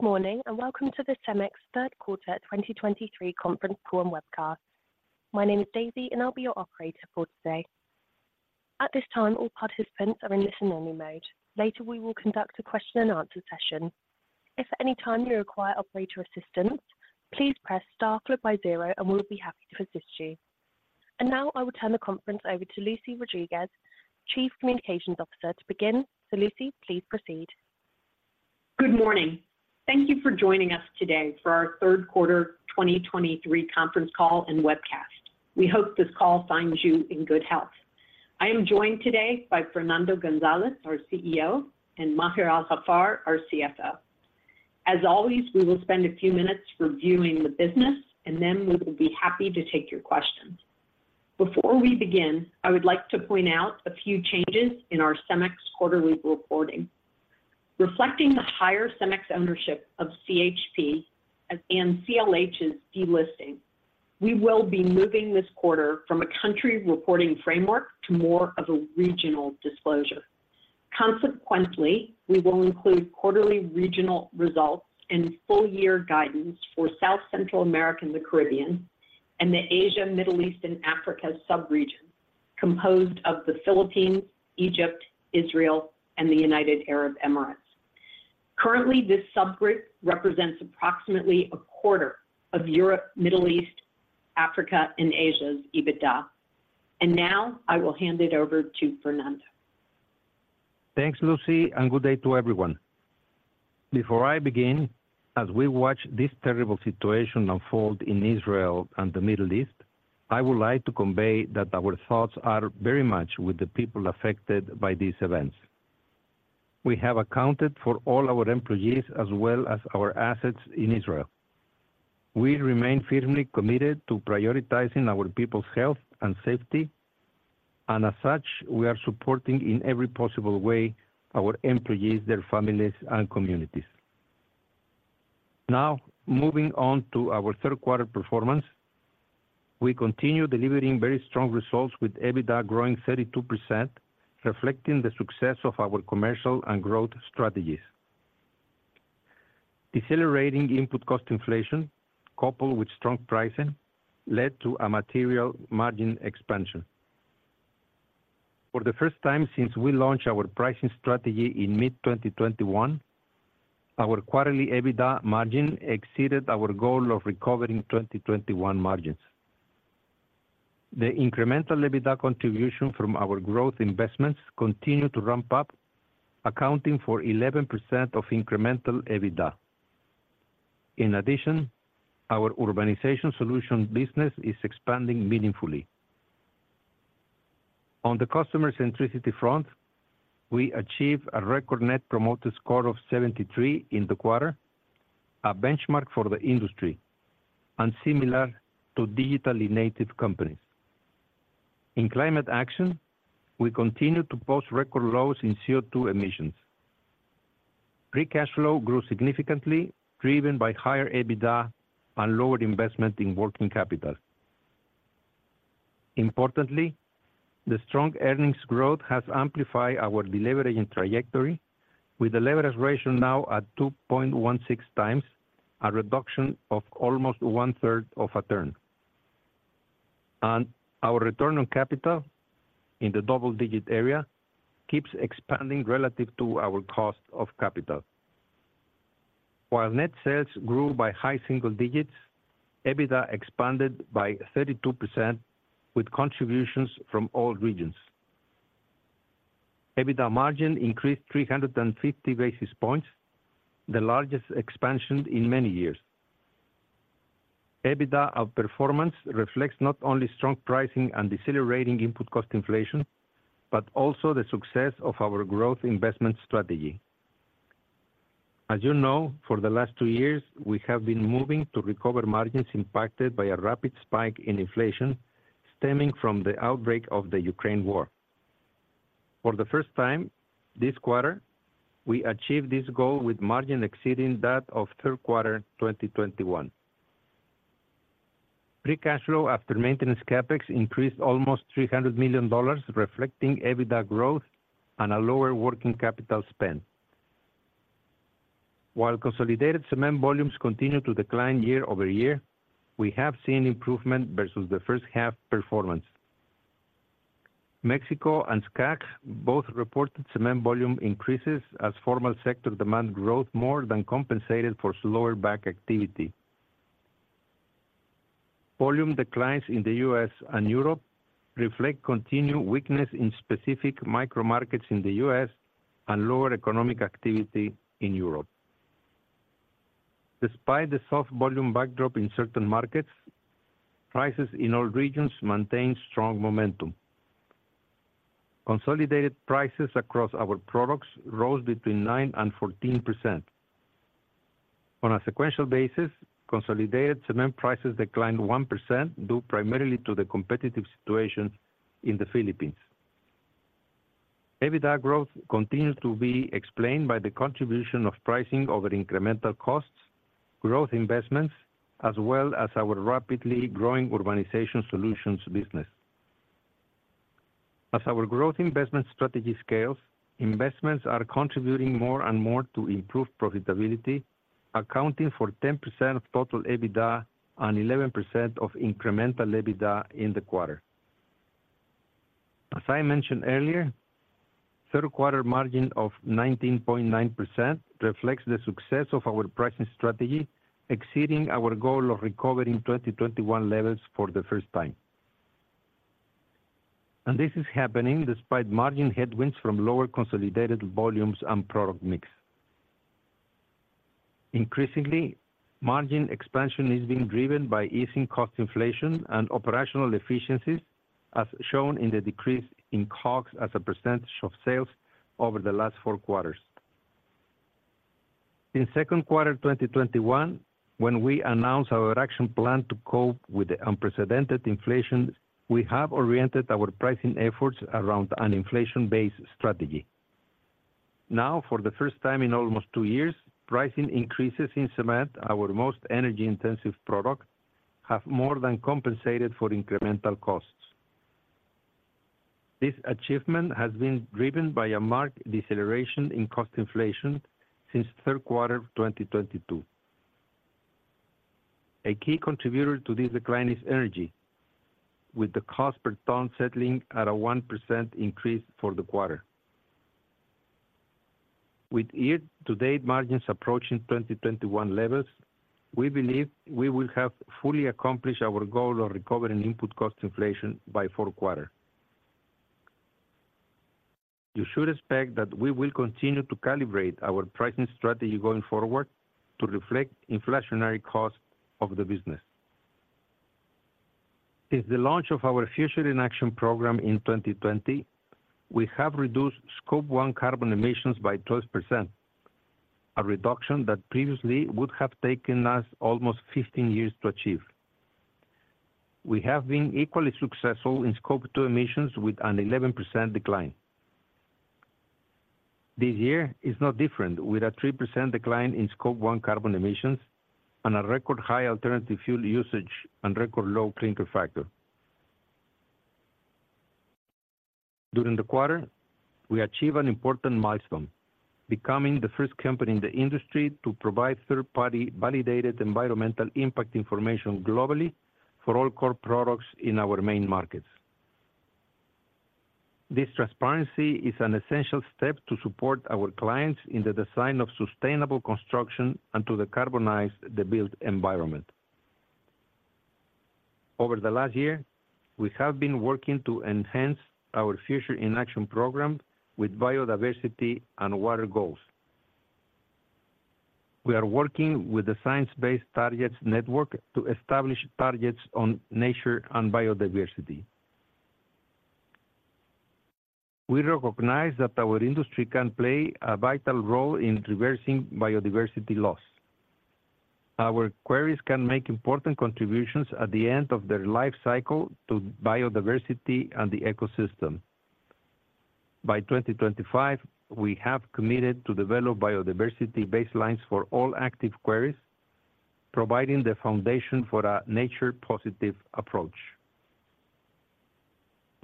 Good morning, and welcome to the CEMEX Third Quarter 2023 Conference Call and Webcast. My name is Daisy, and I'll be your operator for today. At this time, all participants are in listen-only mode. Later, we will conduct a question-and-answer session. If at any time you require operator assistance, please press star followed by zero, and we'll be happy to assist you. I will turn the conference over to Lucy Rodriguez, Chief Communications Officer, to begin. Lucy, please proceed. Good morning. Thank you for joining us today for our third quarter 2023 conference call and webcast. We hope this call finds you in good health. I am joined today by Fernando González, our CEO, and Maher Al-Haffar, our CFO. As always, we will spend a few minutes reviewing the business, and then we will be happy to take your questions. Before we begin, I would like to point out a few changes in our CEMEX quarterly reporting. Reflecting the higher CEMEX ownership of CHP and CLH's delisting, we will be moving this quarter from a country reporting framework to more of a regional disclosure. Consequently, we will include quarterly regional results and full year guidance for South Central America and the Caribbean, and the Asia, Middle East, and Africa sub-region, composed of the Philippines, Egypt, Israel, and the United Arab Emirates. Currently, this subgroup represents approximately a quarter of Europe, Middle East, Africa, and Asia's EBITDA. Now I will hand it over to Fernando. Thanks, Lucy, and good day to everyone. Before I begin, as we watch this terrible situation unfold in Israel and the Middle East, I would like to convey that our thoughts are very much with the people affected by these events. We have accounted for all our employees as well as our assets in Israel. We remain firmly committed to prioritizing our people's health and safety, and as such, we are supporting in every possible way our employees, their families, and communities. Now, moving on to our third quarter performance. We continue delivering very strong results, with EBITDA growing 32%, reflecting the success of our commercial and growth strategies. Decelerating input cost inflation, coupled with strong pricing, led to a material margin expansion. For the first time since we launched our pricing strategy in mid-2021, our quarterly EBITDA margin exceeded our goal of recovering 2021 margins. The incremental EBITDA contribution from our growth investments continued to ramp up, accounting for 11% of incremental EBITDA. In addition, our Urbanization Solutions business is expanding meaningfully. On the customer centricity front, we achieved a record Net Promoter Score of 73 in the quarter, a benchmark for the industry and similar to digitally native companies. In climate action, we continue to post record lows in CO2 emissions. Free cash flow grew significantly, driven by higher EBITDA and lower investment in working capital. Importantly, the strong earnings growth has amplified our deleveraging trajectory, with the leverage ratio now at 2.16x, a reduction of almost 1/3 of a turn. Our return on capital in the double-digit area keeps expanding relative to our cost of capital. While net sales grew by high single digits, EBITDA expanded by 32%, with contributions from all regions. EBITDA margin increased 350 basis points, the largest expansion in many years. EBITDA outperformance reflects not only strong pricing and decelerating input cost inflation, but also the success of our growth investment strategy. As you know, for the last two years, we have been moving to recover margins impacted by a rapid spike in inflation stemming from the outbreak of the Ukraine war. For the first time, this quarter, we achieved this goal, with margin exceeding that of third quarter 2021. Free cash flow after maintenance CapEx increased almost $300 million, reflecting EBITDA growth and a lower working capital spend. While consolidated cement volumes continue to decline year-over-year, we have seen improvement versus the first half performance. Mexico and SAC both reported cement volume increases as formal sector demand growth more than compensated for slower back activity. Volume declines in the U.S. and Europe reflect continued weakness in specific micro markets in the U.S. and lower economic activity in Europe. Despite the soft volume backdrop in certain markets, prices in all regions maintained strong momentum. Consolidated prices across our products rose 9%-14%. On a sequential basis, consolidated cement prices declined 1%, due primarily to the competitive situation in the Philippines. EBITDA growth continues to be explained by the contribution of pricing over incremental costs, growth investments, as well as our rapidly growing Urbanization Solutions business. As our growth investment strategy scales, investments are contributing more and more to improve profitability, accounting for 10% of total EBITDA and 11% of incremental EBITDA in the quarter. As I mentioned earlier, third quarter margin of 19.9% reflects the success of our pricing strategy, exceeding our goal of recovering 2021 levels for the first time. This is happening despite margin headwinds from lower consolidated volumes and product mix. Increasingly, margin expansion is being driven by easing cost inflation and operational efficiencies, as shown in the decrease in COGS as a percentage of sales over the last four quarters. In second quarter of 2021, when we announced our action plan to cope with the unprecedented inflation, we have oriented our pricing efforts around an inflation-based strategy. Now, for the first time in almost two years, pricing increases in cement, our most energy-intensive product, have more than compensated for incremental costs. This achievement has been driven by a marked deceleration in cost inflation since third quarter of 2022. A key contributor to this decline is energy, with the cost per ton settling at a 1% increase for the quarter. With year-to-date margins approaching 2021 levels, we believe we will have fully accomplished our goal of recovering input cost inflation by fourth quarter. You should expect that we will continue to calibrate our pricing strategy going forward to reflect inflationary costs of the business. Since the launch of our Future in Action program in 2020, we have reduced Scope 1 carbon emissions by 12%, a reduction that previously would have taken us almost 15 years to achieve. We have been equally successful in Scope 2 emissions with an 11% decline. This year is no different, with a 3% decline in Scope 1 carbon emissions and a record high alternative fuel usage and record low clinker factor. During the quarter, we achieved an important milestone, becoming the first company in the industry to provide third-party validated environmental impact information globally for all core products in our main markets. This transparency is an essential step to support our clients in the design of sustainable construction and to decarbonize the built environment. Over the last year, we have been working to enhance our Future in Action program with biodiversity and water goals. We are working with the Science Based Targets Network to establish targets on nature and biodiversity. We recognize that our industry can play a vital role in reversing biodiversity loss. Our quarries can make important contributions at the end of their life cycle to biodiversity and the ecosystem. By 2025, we have committed to develop biodiversity baselines for all active quarries, providing the foundation for a nature-positive approach.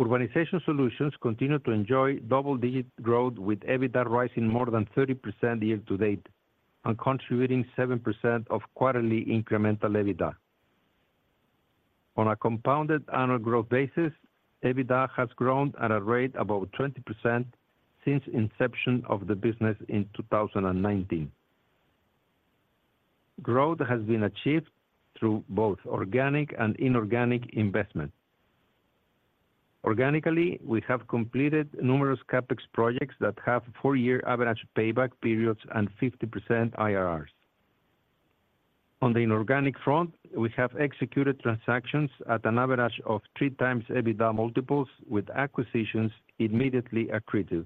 Urbanization Solutions continue to enjoy double-digit growth, with EBITDA rising more than 30% year to date and contributing 7% of quarterly incremental EBITDA. On a compounded annual growth basis, EBITDA has grown at a rate above 20% since inception of the business in 2019. Growth has been achieved through both organic and inorganic investment. Organically, we have completed numerous CapEx projects that have four-year average payback periods and 50% IRRs. On the inorganic front, we have executed transactions at an average of 3x EBITDA multiples, with acquisitions immediately accretive.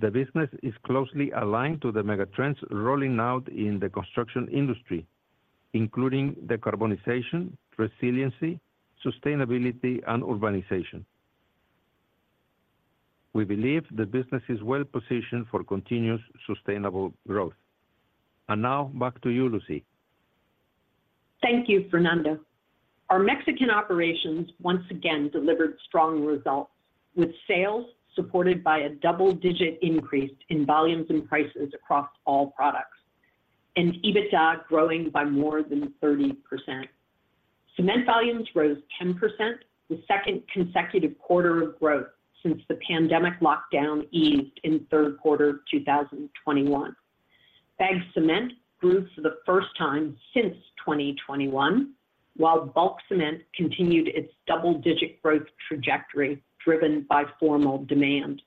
The business is closely aligned to the mega trends rolling out in the construction industry, including decarbonization, resiliency, sustainability, and urbanization. We believe the business is well positioned for continuous sustainable growth. Now, back to you, Lucy. Thank you, Fernando. Our Mexican operations once again delivered strong results, with sales supported by a double-digit increase in volumes and prices across all products, and EBITDA growing by more than 30%. Cement volumes rose 10%, the second consecutive quarter of growth since the pandemic lockdown eased in third quarter of 2021. Bagged cement grew for the first time since 2021, while bulk cement continued its double-digit growth trajectory, driven by formal demand.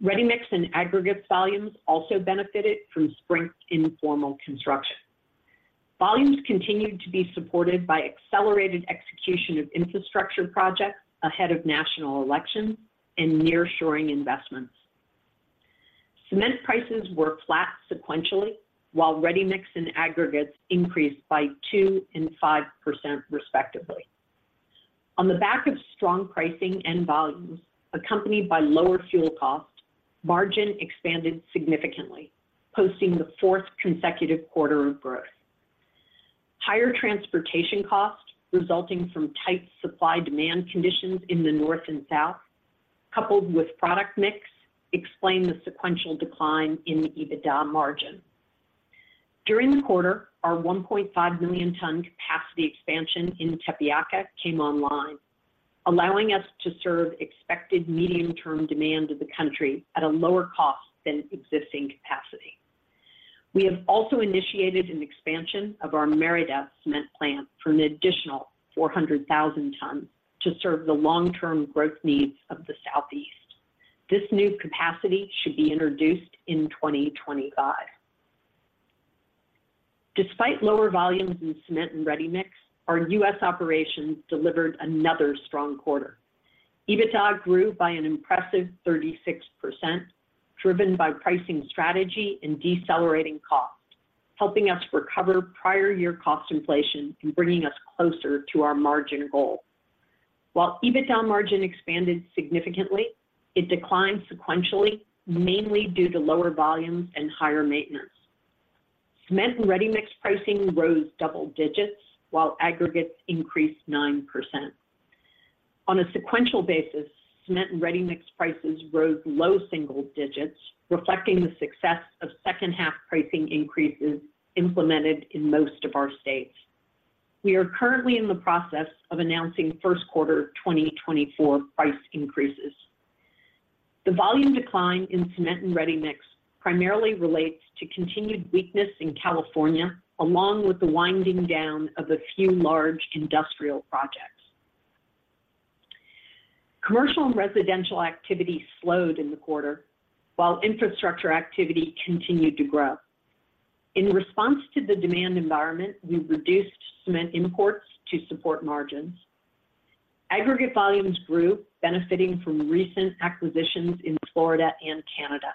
Ready-mix and aggregates volumes also benefited from strength in formal construction. Volumes continued to be supported by accelerated execution of infrastructure projects ahead of national elections and nearshoring investments. Cement prices were flat sequentially, while ready-mix and aggregates increased by 2% and 5%, respectively. On the back of strong pricing and volumes, accompanied by lower fuel costs, margin expanded significantly, posting the fourth consecutive quarter of growth. Higher transportation costs, resulting from tight supply-demand conditions in the North and South, coupled with product mix, explain the sequential decline in the EBITDA margin. During the quarter, our 1.5 million ton capacity expansion in Tepeaca came online, allowing us to serve expected medium-term demand of the country at a lower cost than existing capacity. We have also initiated an expansion of our Merida cement plant for an additional 400,000 tons to serve the long-term growth needs of the Southeast. This new capacity should be introduced in 2025. Despite lower volumes in cement and ready-mix, our U.S. operations delivered another strong quarter. EBITDA grew by an impressive 36%, driven by pricing strategy and decelerating costs, helping us recover prior year cost inflation and bringing us closer to our margin goal. While EBITDA margin expanded significantly, it declined sequentially, mainly due to lower volumes and higher maintenance. Cement and ready-mix pricing rose double digits, while aggregates increased 9%. On a sequential basis, cement and ready-mix prices rose low single digits, reflecting the success of second half pricing increases implemented in most of our states. We are currently in the process of announcing first quarter 2024 price increases. The volume decline in cement and ready-mix primarily relates to continued weakness in California, along with the winding down of a few large industrial projects. Commercial and residential activity slowed in the quarter, while infrastructure activity continued to grow. In response to the demand environment, we reduced cement imports to support margins. Aggregate volumes grew, benefiting from recent acquisitions in Florida and Canada.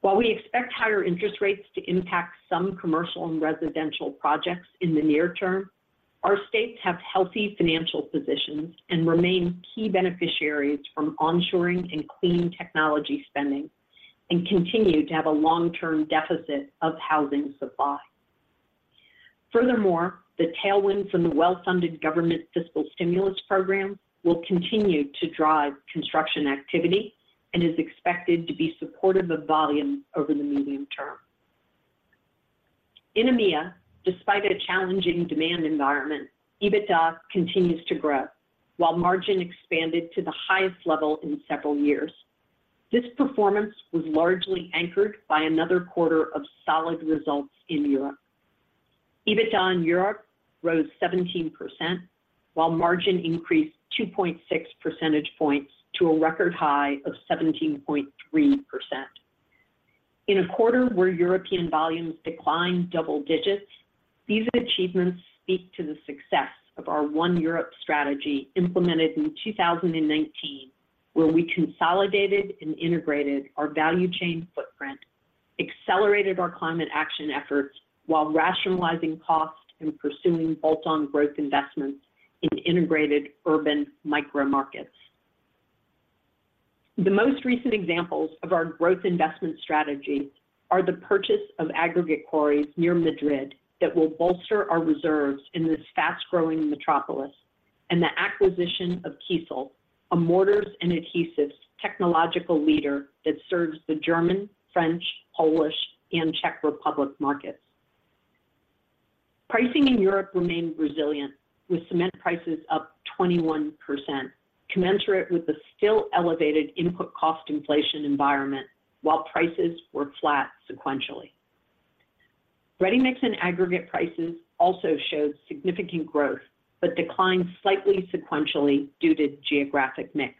While we expect higher interest rates to impact some commercial and residential projects in the near term, our states have healthy financial positions and remain key beneficiaries from onshoring and clean technology spending, and continue to have a long-term deficit of housing supply. Furthermore, the tailwind from the well-funded government fiscal stimulus program will continue to drive construction activity and is expected to be supportive of volume over the medium term. In EMEA, despite a challenging demand environment, EBITDA continues to grow, while margin expanded to the highest level in several years. This performance was largely anchored by another quarter of solid results in Europe. EBITDA in Europe rose 17%, while margin increased 2.6 percentage points to a record high of 17.3%. In a quarter where European volumes declined double digits, these achievements speak to the success of our One Europe strategy implemented in 2019, where we consolidated and integrated our value chain footprint, accelerated our climate action efforts while rationalizing costs and pursuing bolt-on growth investments in integrated urban micro markets. The most recent examples of our growth investment strategy are the purchase of aggregate quarries near Madrid that will bolster our reserves in this fast-growing metropolis, and the acquisition of Kiesel, a mortars and adhesives technological leader that serves the German, French, Polish, and Czech Republic markets. Pricing in Europe remained resilient, with cement prices up 21%, commensurate with the still elevated input cost inflation environment, while prices were flat sequentially. Ready-mix and aggregate prices also showed significant growth, but declined slightly sequentially due to geographic mix.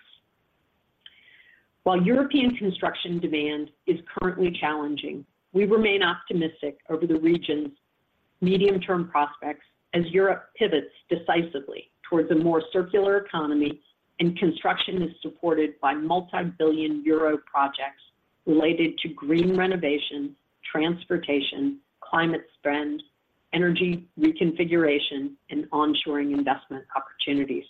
While European construction demand is currently challenging, we remain optimistic over the region's medium-term prospects as Europe pivots decisively towards a more circular economy and construction is supported by multi-billion EUR projects related to green renovation, transportation, climate spend, energy reconfiguration, and onshoring investment opportunities.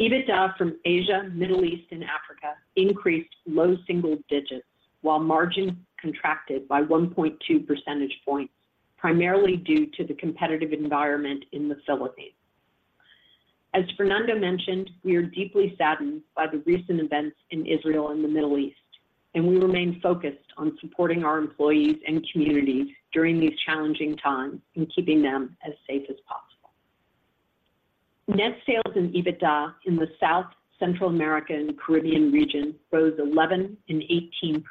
EBITDA from Asia, Middle East, and Africa increased low single digits, while margin contracted by 1.2 percentage points, primarily due to the competitive environment in the Philippines. As Fernando mentioned, we are deeply saddened by the recent events in Israel and the Middle East, and we remain focused on supporting our employees and communities during these challenging times and keeping them as safe as possible. Net sales and EBITDA in the South Central American Caribbean region rose 11% and 18%,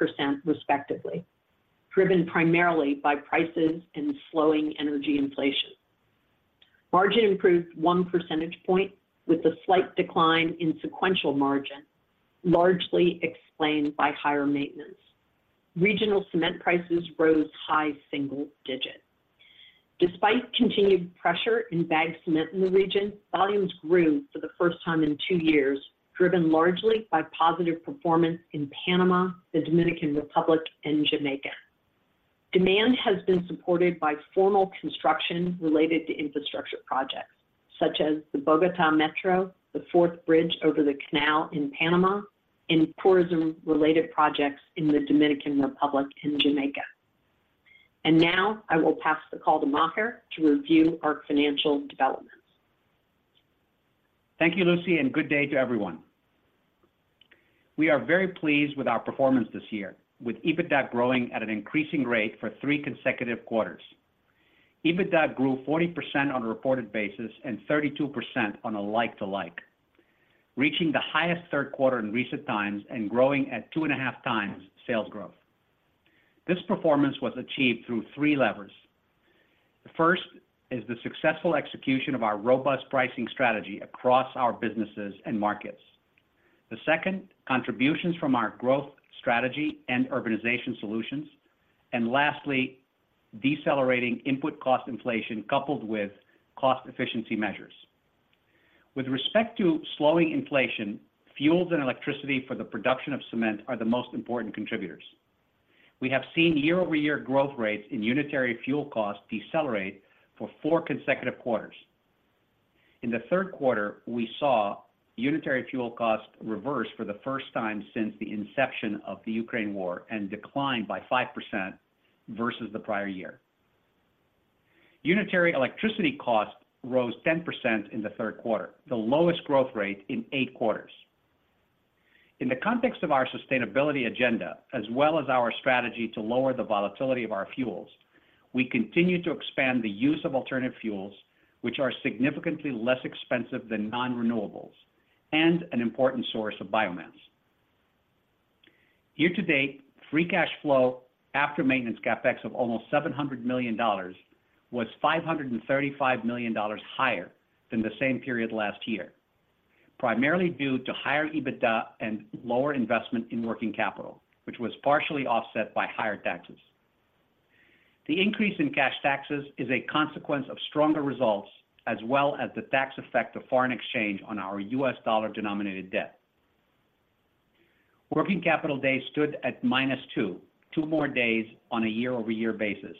respectively, driven primarily by prices and slowing energy inflation. Margin improved 1 percentage point with a slight decline in sequential margin, largely explained by higher maintenance. Regional cement prices rose high single digits. Despite continued pressure in bagged cement in the region, volumes grew for the first time in two years, driven largely by positive performance in Panama, the Dominican Republic, and Jamaica. Demand has been supported by formal construction related to infrastructure projects, such as the Bogotá Metro, the fourth bridge over the canal in Panama, and tourism-related projects in the Dominican Republic and Jamaica. Now I will pass the call to Maher to review our financial developments. Thank you, Lucy, and good day to everyone. We are very pleased with our performance this year, with EBITDA growing at an increasing rate for three consecutive quarters. EBITDA grew 40% on a reported basis and 32% on a like-for-like, reaching the highest third quarter in recent times and growing at 2.5x sales growth. This performance was achieved through three levers. The first is the successful execution of our robust pricing strategy across our businesses and markets. The second, contributions from our growth strategy and Urbanization Solutions, and lastly, decelerating input cost inflation coupled with cost efficiency measures. With respect to slowing inflation, fuels and electricity for the production of cement are the most important contributors. We have seen year-over-year growth rates in unitary fuel costs decelerate for four consecutive quarters. In the third quarter, we saw unitary fuel costs reverse for the first time since the inception of the Ukraine war and declined by 5% versus the prior year. Unitary electricity costs rose 10% in the third quarter, the lowest growth rate in eight quarters. In the context of our sustainability agenda, as well as our strategy to lower the volatility of our fuels, we continue to expand the use of alternative fuels, which are significantly less expensive than nonrenewables and an important source of biomass. Year to date, free cash flow after maintenance CapEx of almost $700 million was $535 million higher than the same period last year, primarily due to higher EBITDA and lower investment in working capital, which was partially offset by higher taxes. The increase in cash taxes is a consequence of stronger results, as well as the tax effect of foreign exchange on our U.S. dollar-denominated debt. Working capital days stood at -2, two more days on a year-over-year basis,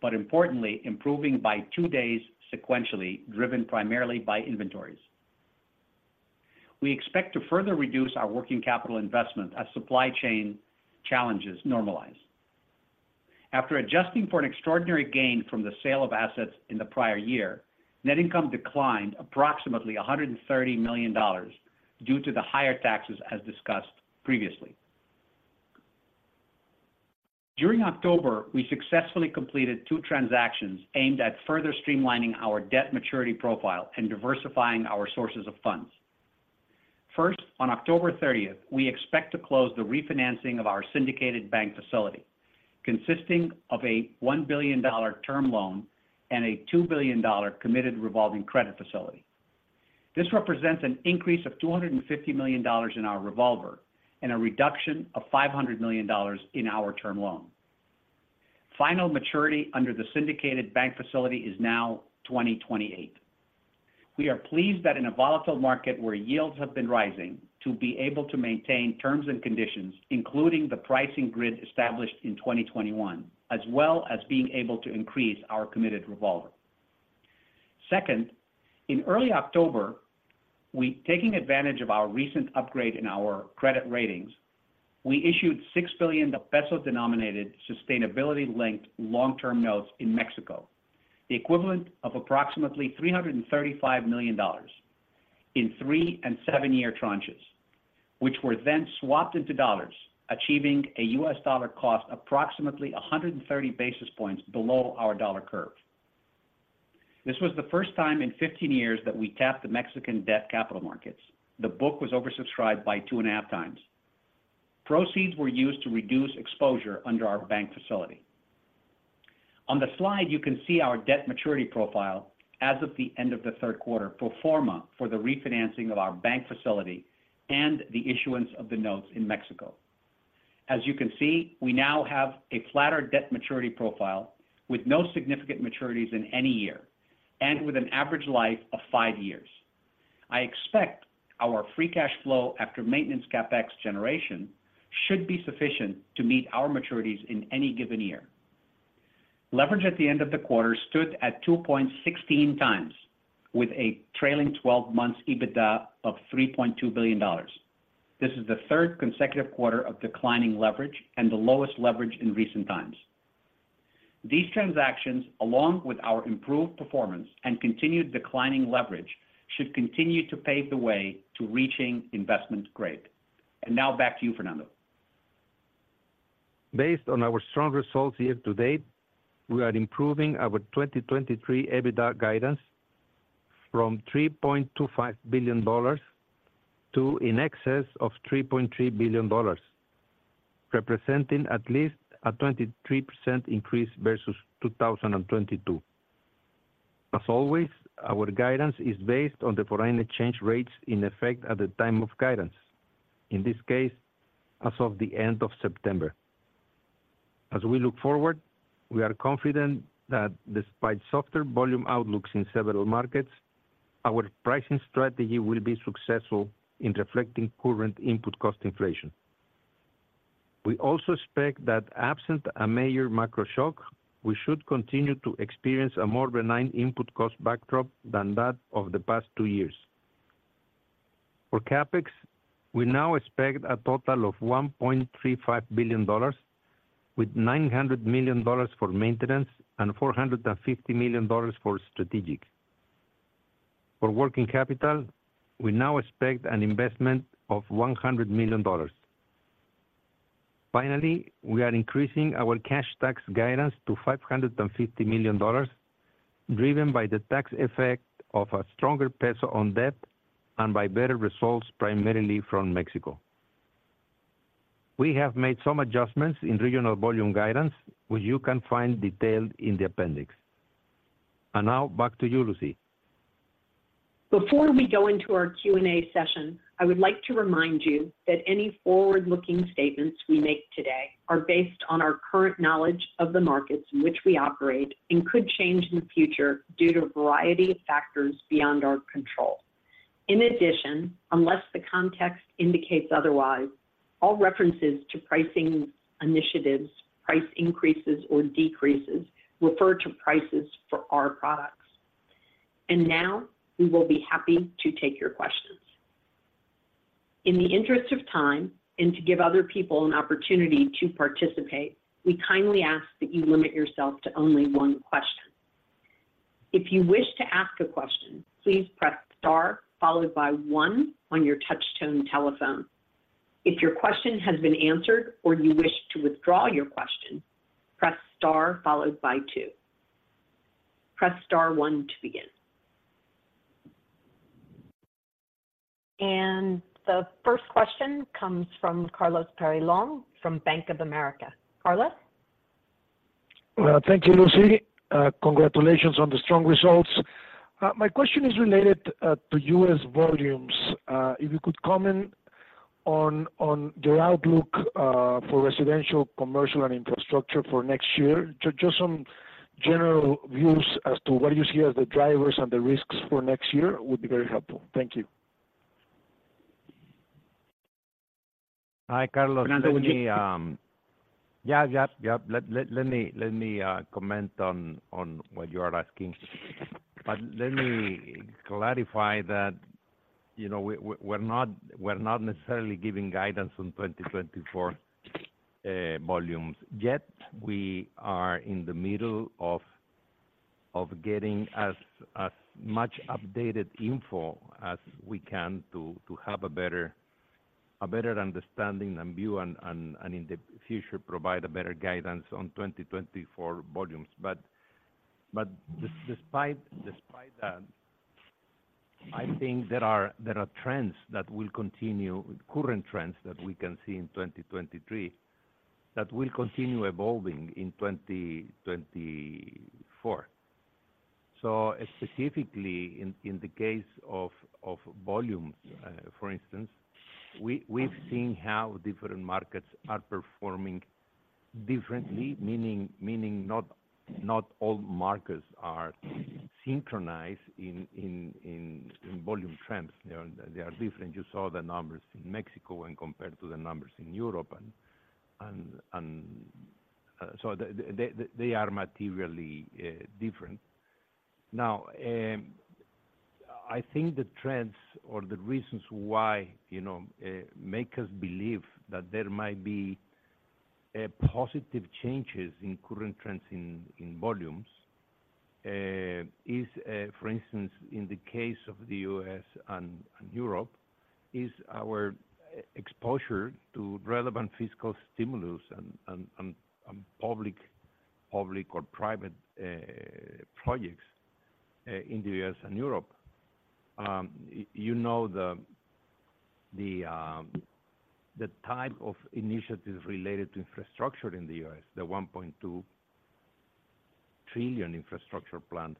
but importantly, improving by two days sequentially, driven primarily by inventories. We expect to further reduce our working capital investment as supply chain challenges normalize. After adjusting for an extraordinary gain from the sale of assets in the prior year, net income declined approximately $130 million due to the higher taxes, as discussed previously. During October, we successfully completed two transactions aimed at further streamlining our debt maturity profile and diversifying our sources of funds. First, on October thirtieth, we expect to close the refinancing of our syndicated bank facility, consisting of a $1 billion term loan and a $2 billion committed revolving credit facility. This represents an increase of $250 million in our revolver and a reduction of $500 million in our term loan. Final maturity under the syndicated bank facility is now 2028. We are pleased that in a volatile market where yields have been rising, to be able to maintain terms and conditions, including the pricing grid established in 2021, as well as being able to increase our committed revolver. Second, in early October, we taking advantage of our recent upgrade in our credit ratings, we issued 6 billion pesos-denominated, sustainability-linked, long-term notes in Mexico, the equivalent of approximately $335 million in three and seven-year tranches, which were then swapped into dollars, achieving a U.S. dollar cost approximately 130 basis points below our dollar curve. This was the first time in 15 years that we tapped the Mexican debt capital markets. The book was oversubscribed by 2.5x. Proceeds were used to reduce exposure under our bank facility. On the slide, you can see our debt maturity profile as of the end of the third quarter, pro forma for the refinancing of our bank facility and the issuance of the notes in Mexico. As you can see, we now have a flatter debt maturity profile with no significant maturities in any year, and with an average life of five years. I expect our free cash flow after maintenance CapEx generation should be sufficient to meet our maturities in any given year. Leverage at the end of the quarter stood at 2.16x, with a trailing 12 months EBITDA of $3.2 billion. This is the third consecutive quarter of declining leverage and the lowest leverage in recent times. These transactions, along with our improved performance and continued declining leverage, should continue to pave the way to reaching investment grade. Now back to you, Fernando. Based on our strong results year to date, we are improving our 2023 EBITDA guidance from $3.25 billion to in excess of $3.3 billion, representing at least a 23% increase versus 2022. As always, our guidance is based on the foreign exchange rates in effect at the time of guidance. In this case, as of the end of September. As we look forward, we are confident that despite softer volume outlooks in several markets, our pricing strategy will be successful in reflecting current input cost inflation.... We also expect that absent a major macro shock, we should continue to experience a more benign input cost backdrop than that of the past two years. For CapEx, we now expect a total of $1.35 billion, with $900 million for maintenance and $450 million for strategic. For working capital, we now expect an investment of $100 million. Finally, we are increasing our cash tax guidance to $550 million, driven by the tax effect of a stronger peso on debt and by better results, primarily from Mexico. We have made some adjustments in regional volume guidance, which you can find detailed in the appendix. Now, back to you, Lucy. Before we go into our Q&A session, I would like to remind you that any forward-looking statements we make today are based on our current knowledge of the markets in which we operate and could change in the future due to a variety of factors beyond our control. In addition, unless the context indicates otherwise, all references to pricing initiatives, price increases or decreases, refer to prices for our products. Now, we will be happy to take your questions. In the interest of time and to give other people an opportunity to participate, we kindly ask that you limit yourself to only one question. If you wish to ask a question, please press star, followed by one on your touch tone telephone. If your question has been answered or you wish to withdraw your question, press star followed by two. Press star one to begin. The first question comes from Carlos Peyrelongue from Bank of America. Carlos? Well, thank you, Lucy. Congratulations on the strong results. My question is related to U.S. volumes. If you could comment on the outlook for residential, commercial, and infrastructure for next year. Just some general views as to what you see as the drivers and the risks for next year would be very helpful. Thank you. Hi, Carlos. Can I talk with you? Let me comment on what you are asking. But let me clarify that, you know, we're not necessarily giving guidance on 2024 volumes yet. We are in the middle of getting as much updated info as we can to have a better understanding and view and in the future, provide a better guidance on 2024 volumes. But despite that, I think there are trends that will continue with current trends that we can see in 2023, that will continue evolving in 2024. So specifically in the case of volumes, for instance, we've seen how different markets are performing differently, meaning not all markets are synchronized in volume trends. They are, they are different. You saw the numbers in Mexico when compared to the numbers in Europe and, and, they are materially different. Now, I think the trends or the reasons why, you know, make us believe that there might be positive changes in current trends in volumes is, for instance, in the case of the U.S. and Europe, our exposure to relevant fiscal stimulus and public, public or private projects in the U.S. and Europe. You know, the type of initiatives related to infrastructure in the U.S., the $1.2 trillion infrastructure plan,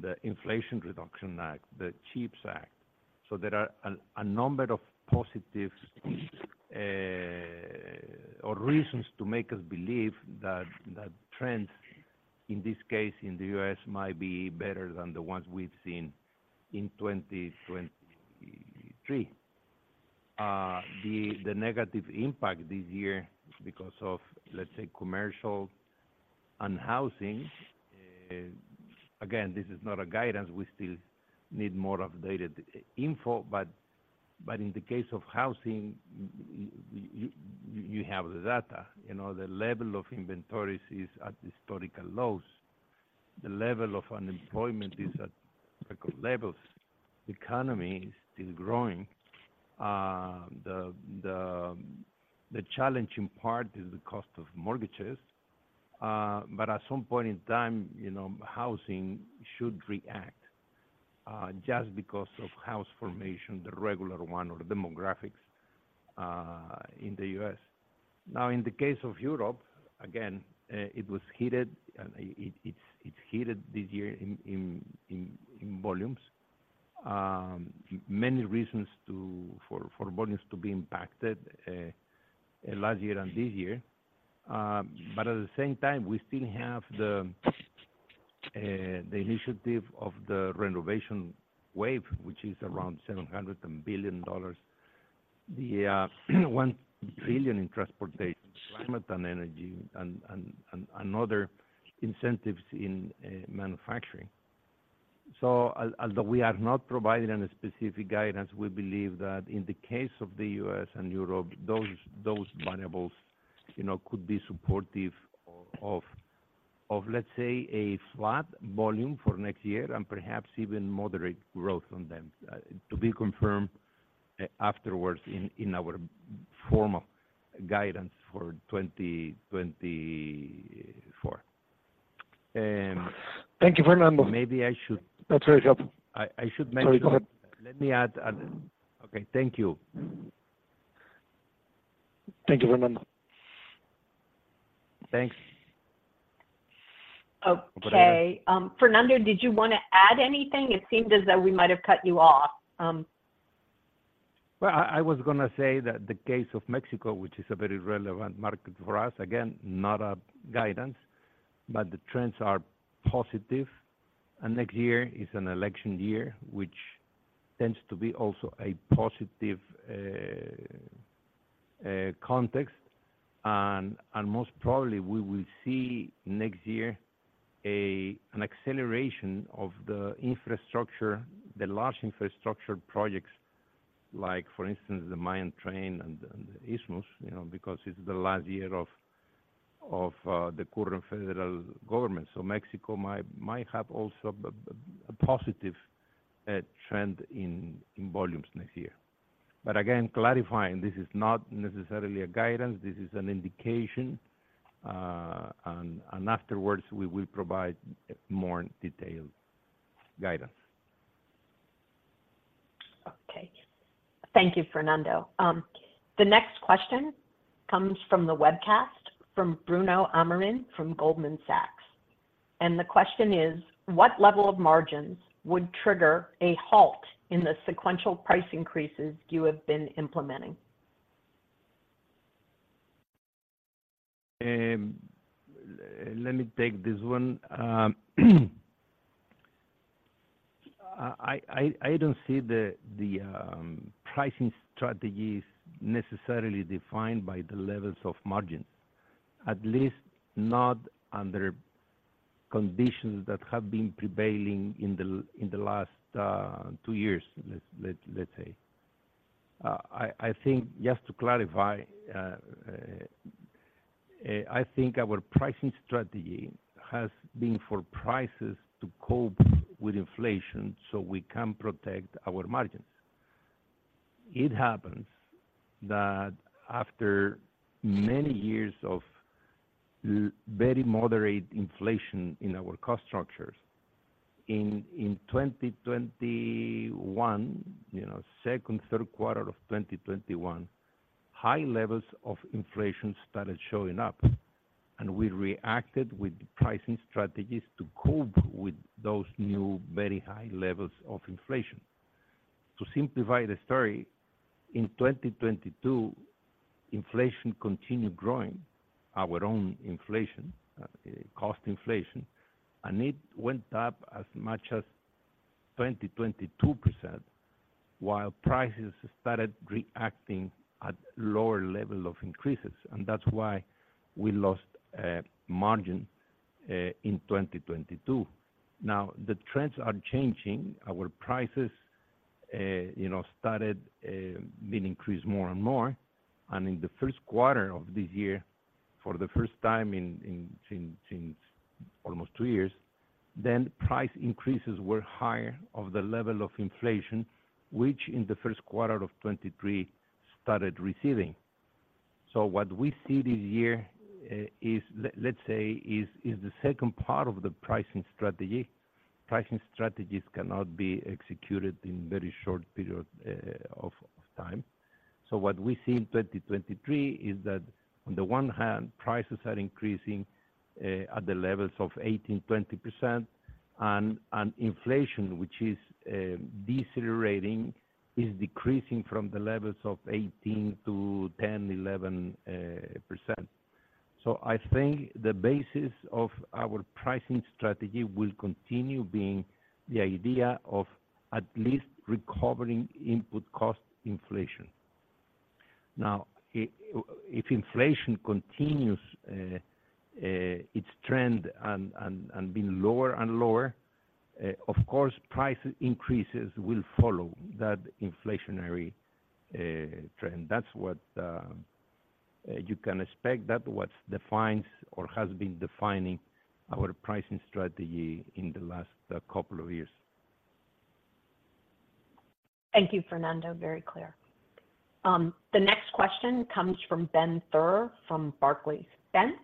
the Inflation Reduction Act, the CHIPS Act. So there are a number of positives, or reasons to make us believe that trends in this case in the U.S. might be better than the ones we've seen in 2023. The negative impact this year, because of, let's say, commercial and housing, again, this is not a guidance, we still need more updated info. But in the case of housing, you have the data. You know, the level of inventories is at historical lows. The level of unemployment is at record levels. The economy is still growing. The challenging part is the cost of mortgages. But at some point in time, you know, housing should react, just because of house formation, the regular one or the demographics, in the U.S. Now, in the case of Europe, again, it was hit, and it's hit this year in volumes. Many reasons for volumes to be impacted last year and this year. But at the same time, we still have the initiative of the renovation wave, which is around $700 billion, the $1 trillion in transportation, climate and energy, and other incentives in manufacturing. So although we are not providing any specific guidance, we believe that in the case of the U.S. and Europe, those variables, you know, could be supportive of, let's say, a flat volume for next year and perhaps even moderate growth on them, to be confirmed afterwards in our formal guidance for 2024. Thank you, Fernando. Maybe I should. That's very helpful. I should mention. Sorry, go ahead. Let me add an... Okay. Thank you. Thank you, Fernando. Thanks. Okay. Fernando, did you wanna add anything? It seemed as though we might have cut you off. Well, I was gonna say that the case of Mexico, which is a very relevant market for us, again, not a guidance, but the trends are positive. Next year is an election year, which tends to be also a positive context. And most probably we will see next year an acceleration of the infrastructure, the large infrastructure projects like, for instance, the Mayan Train and the Isthmus, you know, because it's the last year of the current federal government. So Mexico might have also a positive trend in volumes next year. But again, clarifying, this is not necessarily a guidance, this is an indication, and afterwards, we will provide more detailed guidance. Okay. Thank you, Fernando. The next question comes from the webcast, from Bruno Amorim from Goldman Sachs, and the question is: What level of margins would trigger a halt in the sequential price increases you have been implementing? Let me take this one. I don't see the pricing strategies necessarily defined by the levels of margins, at least not under conditions that have been prevailing in the last two years. I think, just to clarify, I think our pricing strategy has been for prices to cope with inflation so we can protect our margins. It happens that after many years of very moderate inflation in our cost structures, in 2021, you know, second, third quarter of 2021, high levels of inflation started showing up, and we reacted with pricing strategies to cope with those new, very high levels of inflation. To simplify the story, in 2022, inflation continued growing, our own inflation, cost inflation, and it went up as much as 22%, while prices started reacting at lower level of increases, and that's why we lost margin in 2022. Now, the trends are changing. Our prices, you know, started being increased more and more, and in the first quarter of this year, for the first time in, in, since, since almost two years, then price increases were higher of the level of inflation, which in the first quarter of 2023 started receding. What we see this year is, let's say, is the second part of the pricing strategy. Pricing strategies cannot be executed in very short period of time. What we see in 2023 is that, on the one hand, prices are increasing at the levels of 18-20%, and inflation, which is decelerating, is decreasing from the levels of 18% to 10-11%. I think the basis of our pricing strategy will continue being the idea of at least recovering input cost inflation. Now, if inflation continues its trend and being lower and lower, of course, price increases will follow that inflationary trend. That's what you can expect. That is what defines or has been defining our pricing strategy in the last couple of years. Thank you, Fernando. Very clear. The next question comes from Ben Theurer from Barclays. Ben?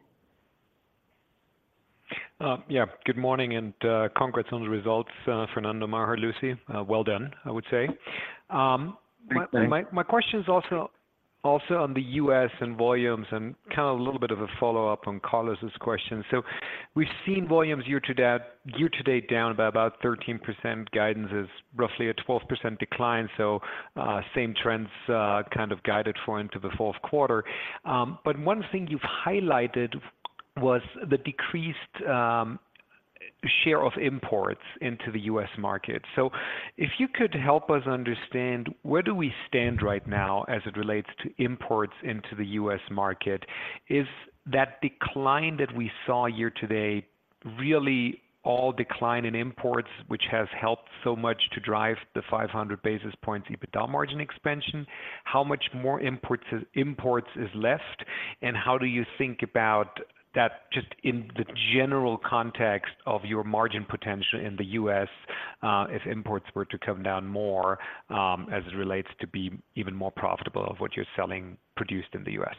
Yeah. Good morning and congrats on the results, Fernando, Maher, Lucy. Well done, I would say. Thanks. My question is also on the U.S. and volumes and kind of a little bit of a follow-up on Carlos's question. So we've seen volumes year to date, year to date down by about 13%. Guidance is roughly a 12% decline, so same trends kind of guided for into the fourth quarter. But one thing you've highlighted was the decreased share of imports into the U.S. market. So if you could help us understand, where do we stand right now as it relates to imports into the U.S. market? Is that decline that we saw year-to-date, really all decline in imports, which has helped so much to drive the 500 basis points EBITDA margin expansion? How much more imports is left, and how do you think about that, just in the general context of your margin potential in the U.S., if imports were to come down more, as it relates to be even more profitable of what you're selling, produced in the U.S.?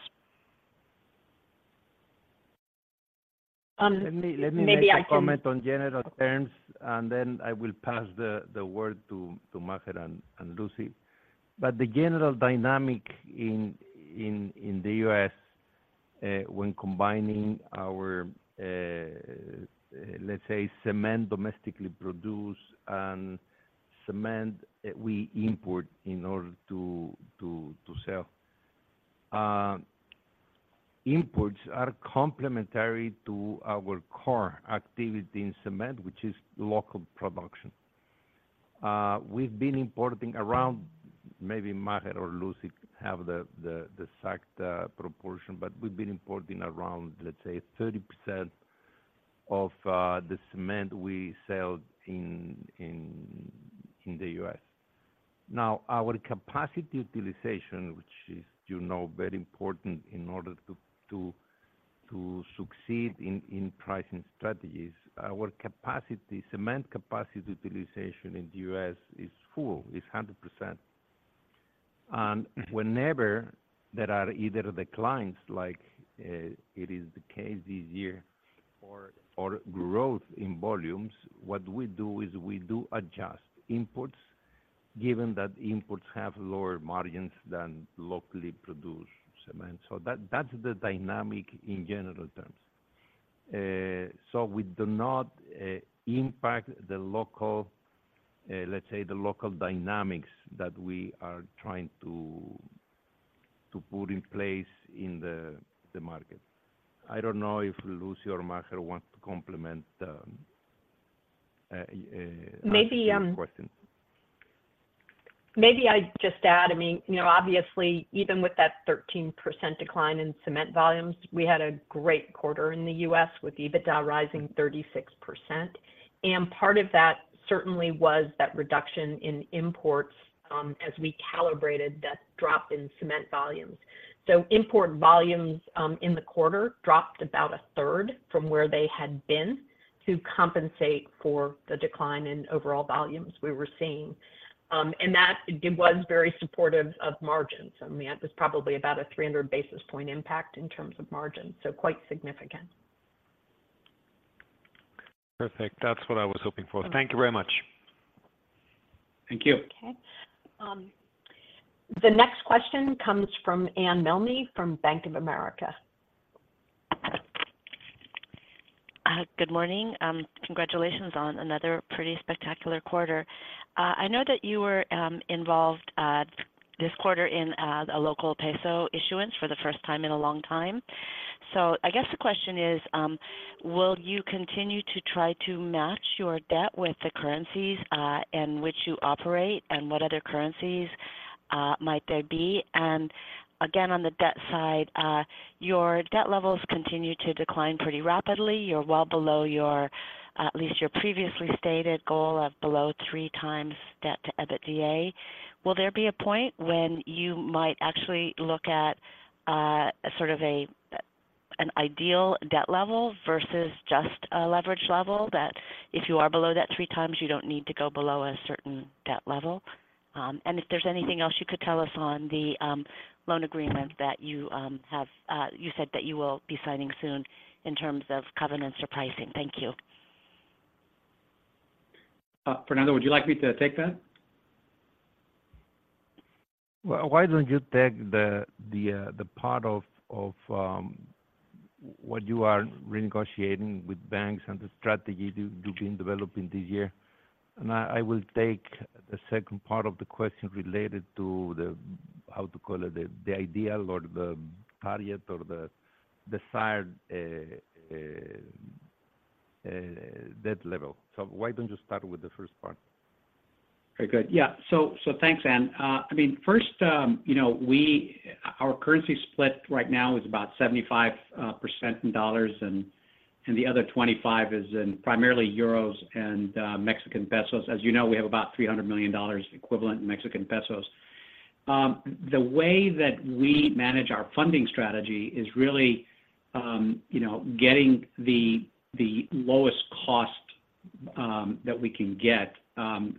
Maybe I can- Let me, let me make a comment on general terms, and then I will pass the word to Maher and Lucy. But the general dynamic in the US, when combining our, let's say, cement domestically produced and cement that we import in order to sell. Imports are complementary to our core activity in cement, which is local production. We've been importing around, maybe Maher or Lucy have the exact proportion, but we've been importing around, let's say, 30% of the cement we sell in the U.S.. Now, our capacity utilization, which is, you know, very important in order to succeed in pricing strategies, our capacity, cement capacity utilization in the U.S. is full, it's 100%. And whenever there are either declines, like, it is the case this year, or growth in volumes, what we do is we do adjust imports, given that imports have lower margins than locally produced cement. So that, that's the dynamic in general terms. So we do not impact the local, let's say, the local dynamics that we are trying to put in place in the market. I don't know if Lucy or Maher want to complement. Maybe, um- Answer this question. Maybe I'd just add, I mean, you know, obviously, even with that 13% decline in cement volumes, we had a great quarter in the U.S., with EBITDA rising 36%. Part of that certainly was that reduction in imports, as we calibrated that drop in cement volumes. Import volumes in the quarter dropped about a third from where they had been to compensate for the decline in overall volumes we were seeing. I mean, that was very supportive of margins. That was probably about a 300 basis point impact in terms of margins, so quite significant. Perfect. That's what I was hoping for. Thank you very much. Thank you. Okay. The next question comes from Anne Milne, from Bank of America. Good morning. Congratulations on another pretty spectacular quarter. I know that you were involved this quarter in a local peso issuance for the first time in a long time. So I guess the question is, will you continue to try to match your debt with the currencies in which you operate, and what other currencies might there be? And again, on the debt side, your debt levels continue to decline pretty rapidly. You're well below your, at least your previously stated goal of below 3x debt to EBITDA. Will there be a point when you might actually look at sort of an ideal debt level versus just a leverage level, that if you are below that 3x, you don't need to go below a certain debt level? If there's anything else you could tell us on the loan agreement that you have, you said that you will be signing soon in terms of covenants or pricing? Thank you. Fernando, would you like me to take that? Well, why don't you take the part of what you are renegotiating with banks and the strategy you've been developing this year? And I will take the second part of the question related to the ideal or the target or the desired debt level. So why don't you start with the first part? Very good. Yeah. Thanks, Anne. I mean, first, you know, our currency split right now is about 75% in dollars, and the other 25% is in primarily euros and Mexican pesos. As you know, we have about $300 million equivalent in Mexican pesos. The way that we manage our funding strategy is really, you know, getting the lowest cost that we can get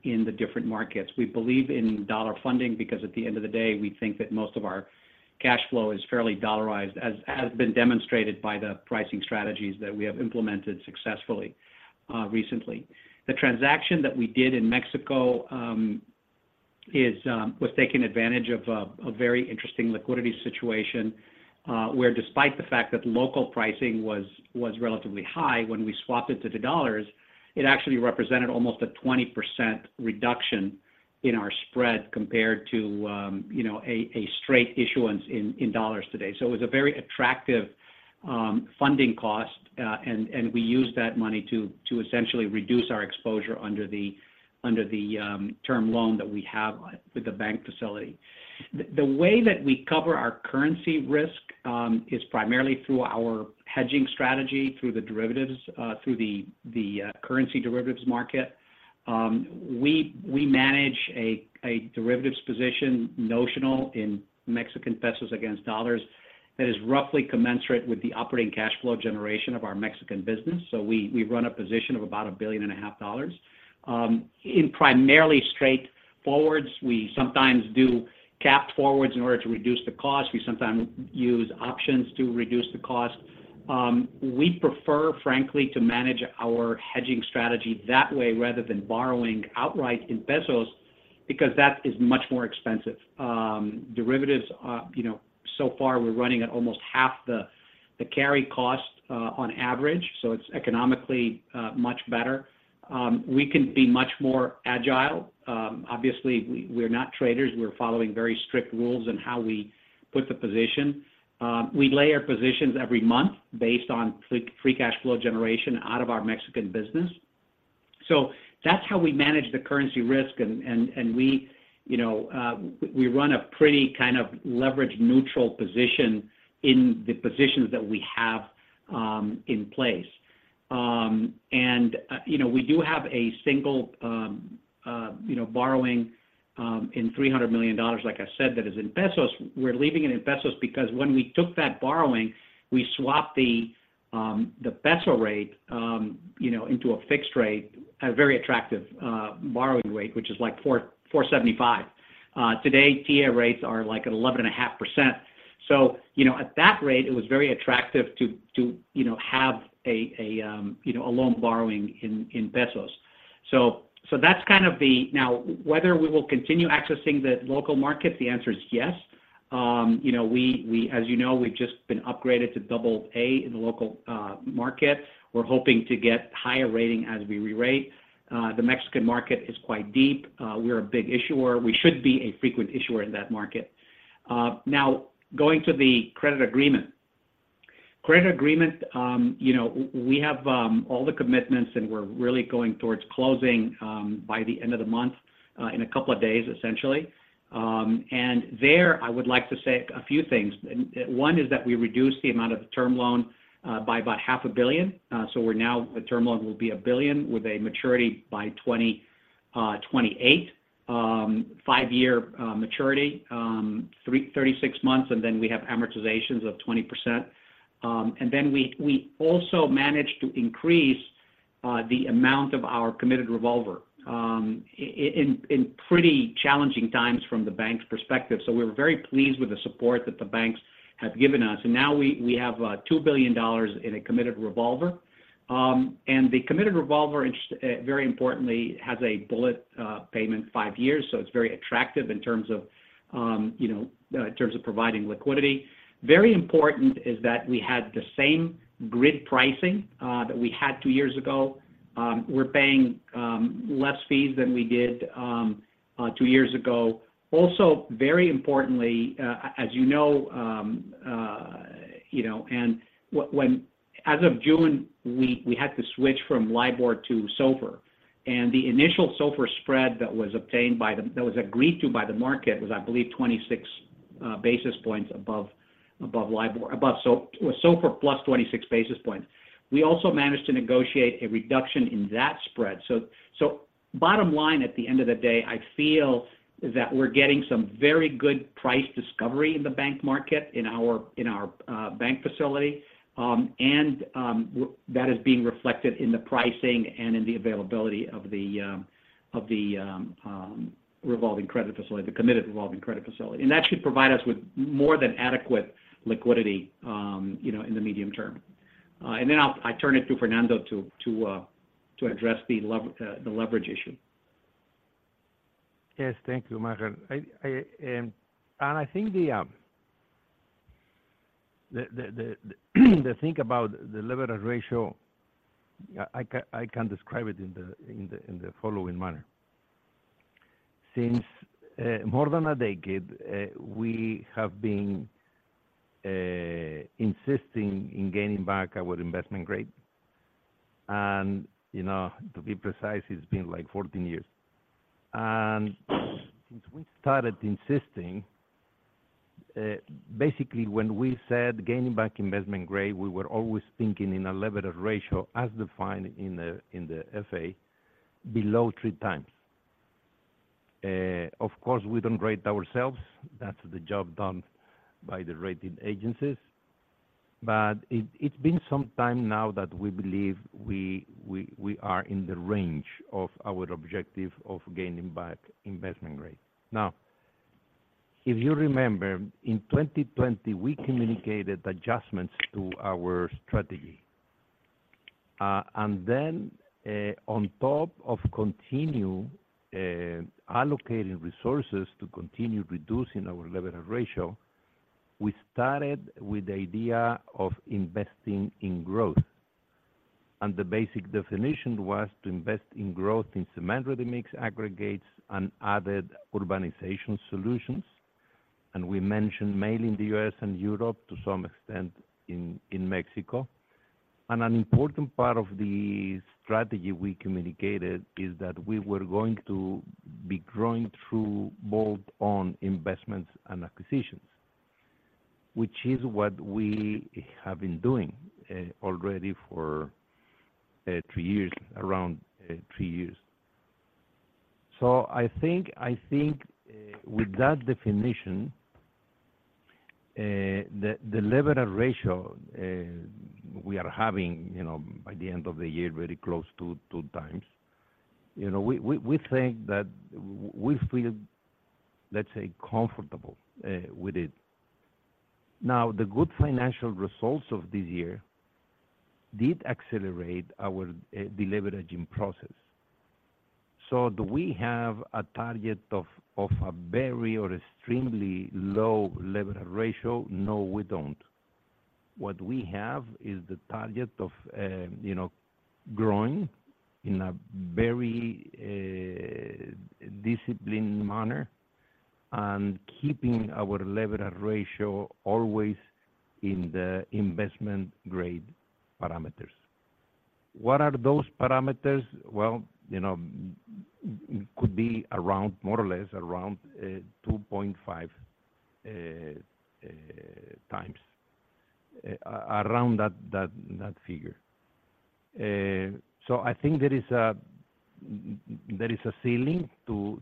in the different markets. We believe in dollar funding, because at the end of the day, we think that most of our cash flow is fairly dollarized, as has been demonstrated by the pricing strategies that we have implemented successfully recently. The transaction that we did in Mexico was taking advantage of a very interesting liquidity situation, where despite the fact that local pricing was relatively high, when we swapped it to the dollars, it actually represented almost a 20% reduction-... in our spread compared to, you know, a straight issuance in dollars today. So it was a very attractive funding cost, and we used that money to essentially reduce our exposure under the term loan that we have on with the bank facility. The way that we cover our currency risk is primarily through our hedging strategy, through the derivatives, through the currency derivatives market. We manage a derivatives position notional in Mexican pesos against dollars that is roughly commensurate with the operating cash flow generation of our Mexican business. So we run a position of about $1.5 billion in primarily straight forwards. We sometimes do capped forwards in order to reduce the cost. We sometimes use options to reduce the cost. We prefer, frankly, to manage our hedging strategy that way, rather than borrowing outright in pesos, because that is much more expensive. Derivatives, you know, so far, we're running at almost half the, the carry cost, on average, so it's economically, much better. We can be much more agile. Obviously, we're not traders. We're following very strict rules in how we put the position. We lay our positions every month based on free cash flow generation out of our Mexican business. So that's how we manage the currency risk, and we, you know, we run a pretty kind of leverage neutral position in the positions that we have, in place. You know, we do have a single, you know, borrowing in $300 million, like I said, that is in pesos. We're leaving it in pesos, because when we took that borrowing, we swapped the peso rate, you know, into a fixed rate, a very attractive borrowing rate, which is like 4.75. Today, TIIE rates are like at 11.5%. So, you know, at that rate, it was very attractive to, you know, have a loan borrowing in pesos. So that's kind of the... Now, whether we will continue accessing the local market, the answer is yes. You know, we, as you know, we've just been upgraded to double A in the local market. We're hoping to get higher rating as we re-rate. The Mexican market is quite deep. We are a big issuer. We should be a frequent issuer in that market. Now, going to the credit agreement. Credit agreement, you know, we have all the commitments, and we're really going towards closing by the end of the month, in a couple of days, essentially. And there, I would like to say a few things. One is that we reduced the amount of the term loan by about $500 million. So the term loan will be $1 billion with a maturity by 2028, five-year maturity, 3-36 months, and then we have amortizations of 20%. We also managed to increase the amount of our committed revolver in pretty challenging times from the bank's perspective. We're very pleased with the support that the banks have given us, and now we have $2 billion in a committed revolver. The committed revolver interest, very importantly, has a bullet payment five years, so it's very attractive in terms of providing liquidity. Very important is that we had the same grid pricing that we had two years ago. We're paying less fees than we did two years ago. Also, very importantly, as you know, when as of June, we had to switch from LIBOR to SOFR. The initial SOFR spread that was obtained by the—that was agreed to by the market was, I believe, 26 basis points above LIBOR, above SOFR plus 26 basis points. We also managed to negotiate a reduction in that spread. Bottom line, at the end of the day, I feel that we're getting some very good price discovery in the bank market, in our bank facility. That is being reflected in the pricing and in the availability of the revolving credit facility, the committed revolving credit facility. And that should provide us with more than adequate liquidity, you know, in the medium term. And then I'll turn it to Fernando to address the leverage issue. Yes, thank you, Maher. I think the thing about the leverage ratio, I can describe it in the following manner. Since more than a decade, we have been insisting in gaining back our investment grade, and, you know, to be precise, it's been like 14 years. Since we started insisting, basically, when we said gaining back investment grade, we were always thinking in a leverage ratio as defined in the FA, below 3x. Of course, we don't grade ourselves. That's the job done by the rating agencies. But it's been some time now that we believe we are in the range of our objective of gaining back investment grade. Now, if you remember, in 2020, we communicated adjustments to our strategy. And then, on top of continue allocating resources to continue reducing our leverage ratio, we started with the idea of investing in growth... and the basic definition was to invest in growth in cement, ready-mix, aggregates, and added Urbanization Solutions. We mentioned mainly in the U.S. and Europe, to some extent in Mexico. An important part of the strategy we communicated is that we were going to be growing through both on investments and acquisitions, which is what we have been doing already for three years, around three years. I think with that definition, the leverage ratio we are having, you know, by the end of the year, very close to 2x. You know, we think that we feel, let's say, comfortable with it. Now, the good financial results of this year did accelerate our deleveraging process. So do we have a target of a very or extremely low leverage ratio? No, we don't. What we have is the target of you know, growing in a very disciplined manner, and keeping our leverage ratio always in the investment-grade parameters. What are those parameters? Well, you know, it could be around, more or less around 2.5x. Around that figure. So I think there is a ceiling to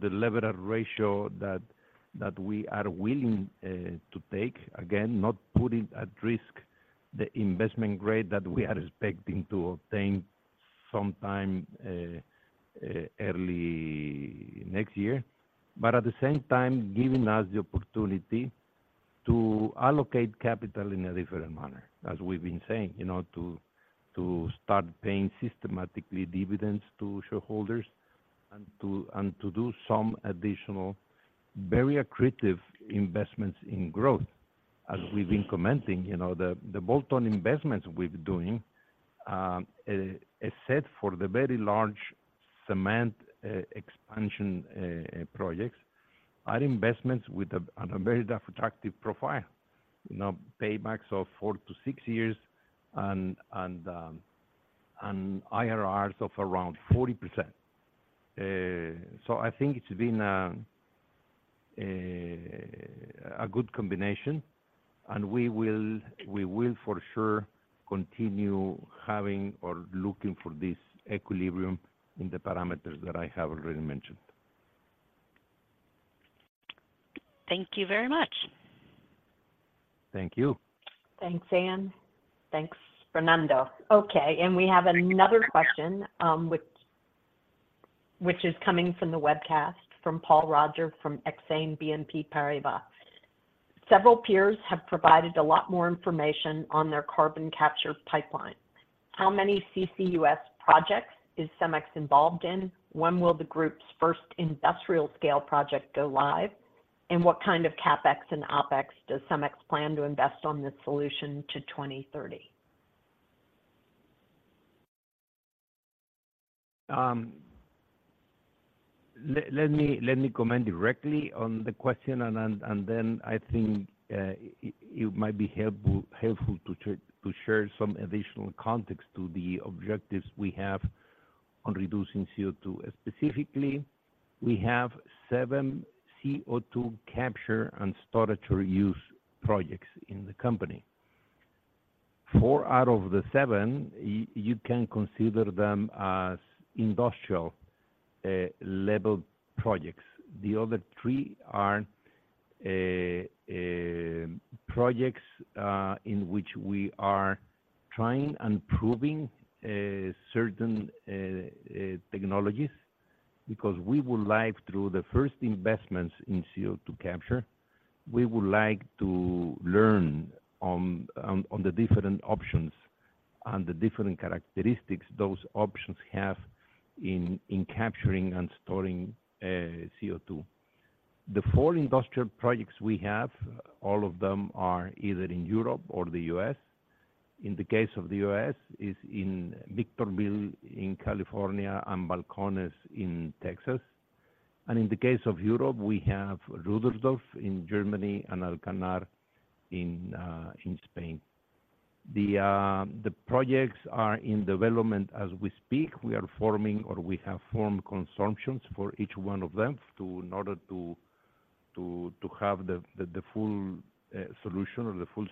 the leverage ratio that we are willing to take. Again, not putting at risk the investment grade that we are expecting to obtain sometime early next year. But at the same time, giving us the opportunity to allocate capital in a different manner, as we've been saying, you know, to, to start paying systematically dividends to shareholders and to, and to do some additional, very accretive investments in growth. As we've been commenting, you know, the, the bolt-on investments we've doing, except for the very large cement expansion projects, are investments with a, at a very attractive profile. You know, paybacks of four to six years and, and, and IRRs of around 40%. So I think it's been a, a good combination, and we will, we will, for sure, continue having or looking for this equilibrium in the parameters that I have already mentioned. Thank you very much. Thank you. Thanks, Anne. Thanks, Fernando. Okay, and we have another question, which is coming from the webcast, from Paul Roger, from Exane BNP Paribas. Several peers have provided a lot more information on their carbon capture pipeline. How many CCUS projects is CEMEX involved in? When will the group's first industrial scale project go live? And what kind of CapEx and OpEx does CEMEX plan to invest on this solution to 2030? Let me comment directly on the question, and then I think it might be helpful to share some additional context to the objectives we have on reducing CO2. Specifically, we have seven CO2 capture and storage reuse projects in the company. Four out of the seven, you can consider them as industrial level projects. The other three are projects in which we are trying and proving certain technologies, because we would like, through the first investments in CO2 capture, to learn on the different options and the different characteristics those options have in capturing and storing CO2. The four industrial projects we have, all of them are either in Europe or the U.S. In the case of the U.S., it's in Victorville, in California, and Balcones in Texas. In the case of Europe, we have Rüdersdorf in Germany and Alcanar in Spain. The projects are in development as we speak. We are forming or we have formed consumptions for each one of them, in order to have the full solution or the full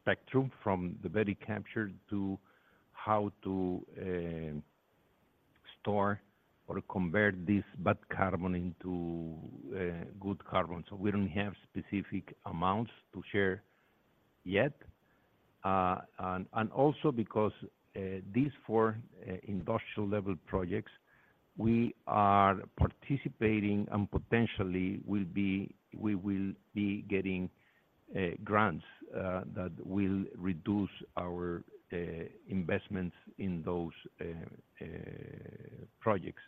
spectrum, from the very capture to how to store or convert this bad carbon into good carbon. We don't have specific amounts to share yet, and also because these four industrial-level projects, we are participating and potentially will be getting grants that will reduce our investments in those projects.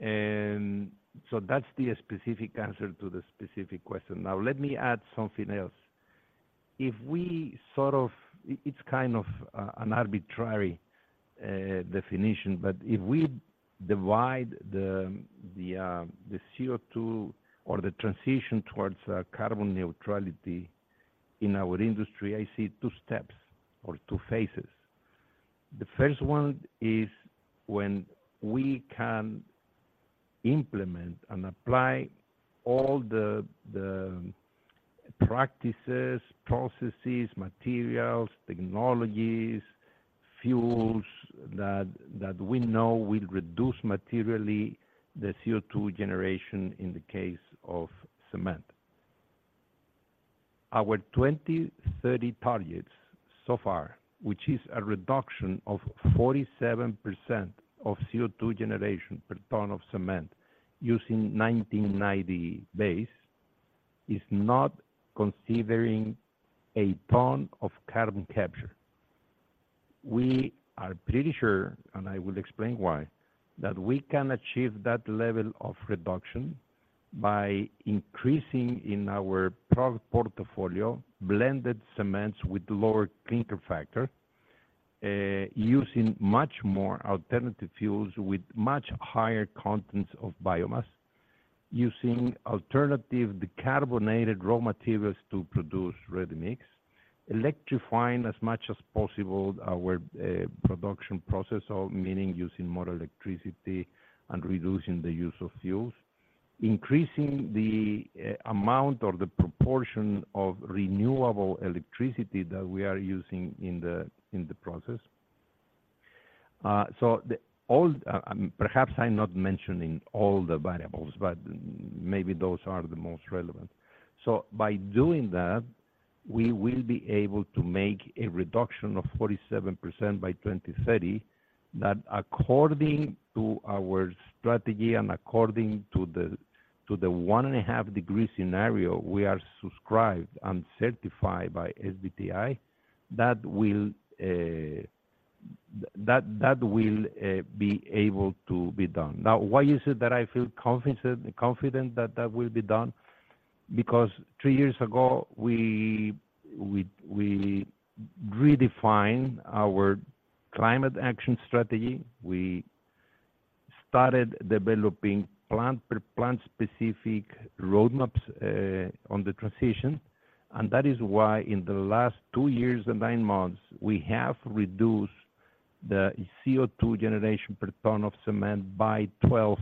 That's the specific answer to the specific question. Now, let me add something else. It's an arbitrary definition, but if we divide the CO2 or the transition towards carbon neutrality in our industry, I see two steps or two phases. The first one is when we can implement and apply all the practices, processes, materials, technologies, fuels, that we know will reduce materially the CO2 generation in the case of cement. Our 2030 targets so far, which is a reduction of 47% of CO2 generation per ton of cement using 1990 base, is not considering a ton of carbon capture. We are pretty sure, and I will explain why, that we can achieve that level of reduction by increasing in our product portfolio blended cements with lower clinker factor, using much more alternative fuels with much higher contents of biomass, using alternative decarbonated raw materials to produce ready-mix, electrifying as much as possible our production process, or meaning using more electricity and reducing the use of fuels. Increasing the amount or the proportion of renewable electricity that we are using in the process. So all, perhaps I'm not mentioning all the variables, but maybe those are the most relevant. So by doing that, we will be able to make a reduction of 47% by 2030, that according to our strategy and according to the, to the 1.5-degree scenario, we are subscribed and certified by SBTi, that will be able to be done. Now, why is it that I feel confident, confident that that will be done? Because three years ago, we redefined our climate action strategy. We started developing plant per plant-specific roadmaps on the transition. And that is why in the last two years and nine months, we have reduced the CO2 generation per ton of cement by 12%.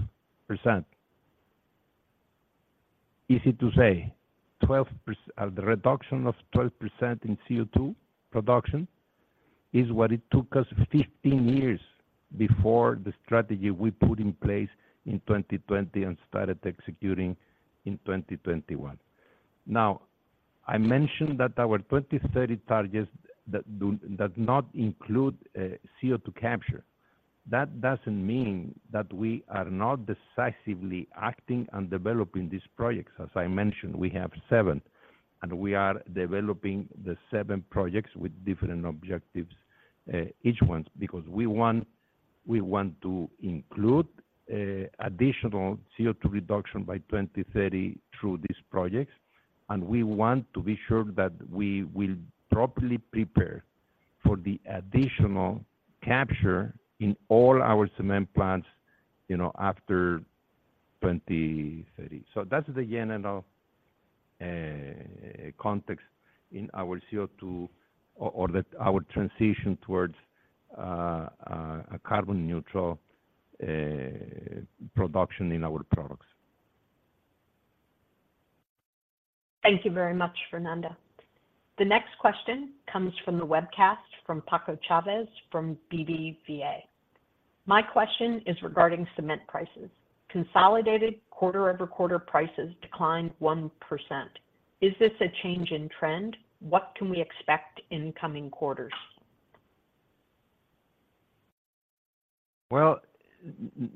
Easy to say, the reduction of 12% in CO2 production is what it took us 15 years before the strategy we put in place in 2020 and started executing in 2021. Now, I mentioned that our 2030 targets do not include CO2 capture. That doesn't mean that we are not decisively acting and developing these projects. As I mentioned, we have seven, and we are developing the seven projects with different objectives, each one, because we want, we want to include additional CO2 reduction by 2030 through these projects, and we want to be sure that we will properly prepare for the additional capture in all our cement plants, you know, after 2030. That's the general context in our CO2, or that our transition towards a carbon neutral production in our products. Thank you very much, Fernando. The next question comes from the webcast, from Paco Chavez, from BBVA. My question is regarding cement prices. Consolidated quarter-over-quarter prices declined 1%. Is this a change in trend? What can we expect in coming quarters? Well,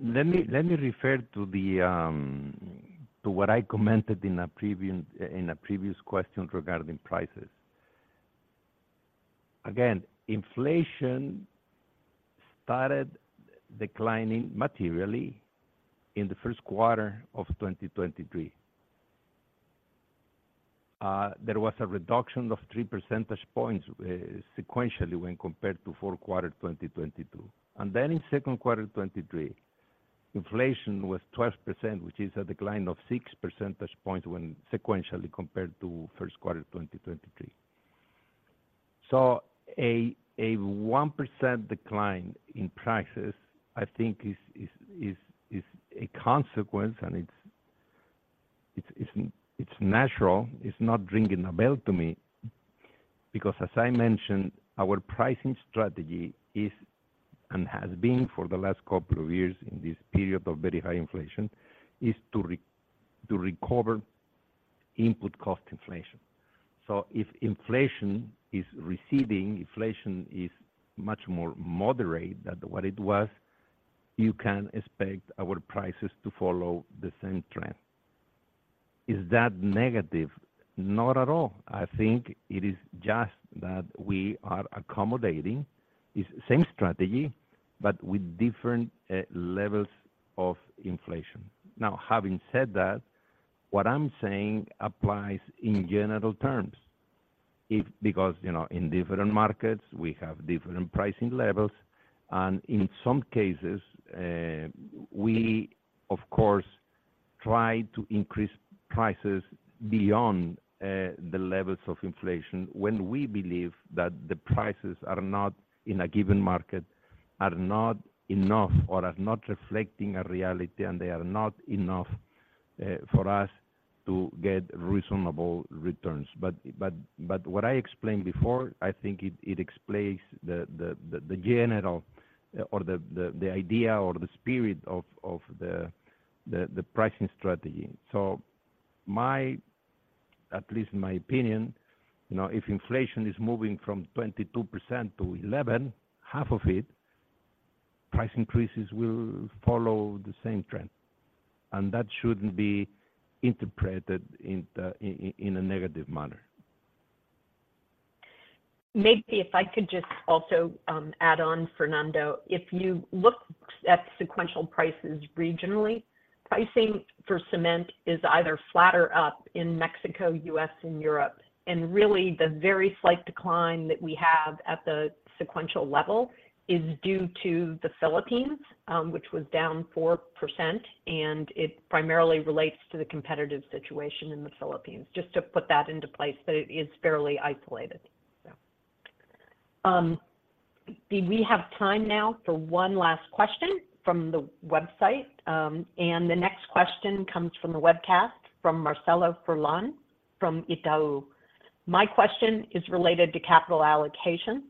let me refer to what I commented in a previous question regarding prices. Again, inflation started declining materially in the first quarter of 2023. There was a reduction of 3 percentage points sequentially when compared to fourth quarter 2022. And then in second quarter 2023, inflation was 12%, which is a decline of 6 percentage points when sequentially compared to first quarter 2023. So a 1% decline in prices, I think, is a consequence, and it's natural. It's not ringing a bell to me, because as I mentioned, our pricing strategy is, and has been for the last couple of years in this period of very high inflation, to recover input cost inflation. So if inflation is receding, inflation is much more moderate than what it was, you can expect our prices to follow the same trend... Is that negative? Not at all. I think it is just that we are accommodating this same strategy, but with different levels of inflation. Now, having said that, what I'm saying applies in general terms. If, because, you know, in different markets, we have different pricing levels. And in some cases, we, of course, try to increase prices beyond the levels of inflation when we believe that the prices are not, in a given market, are not enough or are not reflecting our reality, and they are not enough for us to get reasonable returns. What I explained before, I think it explains the general, or the idea or the spirit of the pricing strategy. So my-- at least in my opinion, you know, if inflation is moving from 22% to 11%, half of it, price increases will follow the same trend, and that shouldn't be interpreted in a negative manner. Maybe if I could just also, add on, Fernando. If you look at sequential prices regionally, pricing for cement is either flat or up in Mexico, U.S., and Europe. And really, the very slight decline that we have at the sequential level is due to the Philippines, which was down 4%, and it primarily relates to the competitive situation in the Philippines. Just to put that into place, but it is fairly isolated. So, we have time now for one last question from the website. And the next question comes from the webcast, from Marcelo Furlan, from Itaú. "My question is related to capital allocation.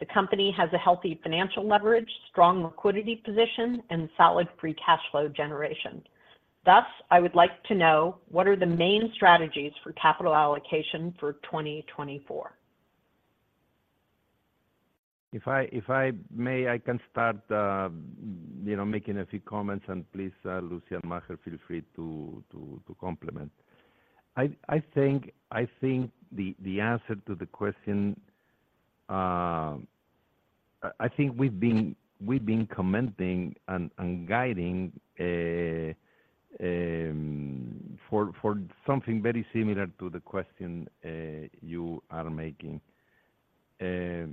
The company has a healthy financial leverage, strong liquidity position, and solid free cash flow generation. Thus, I would like to know, what are the main strategies for capital allocation for 2024? If I may, I can start, you know, making a few comments, and please, Lucy and Maher, feel free to complement. I think the answer to the question... I think we've been commenting and guiding for something very similar to the question you are making. As